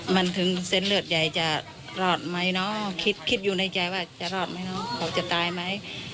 มันถึงเส้นเลือดใหญ่จะรอดไหมเนาะคิดคิดอยู่ในใจว่าจะรอดไหมน้องเขาจะตายไหม